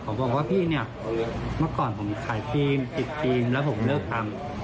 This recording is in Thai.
เขาบอกว่าพี่เนี่ยเมื่อก่อนผมขายฟิล์ม๑๐ฟิล์มแล้วผมเลิกทำ